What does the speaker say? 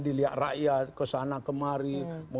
dilihat rakyat kesana kemari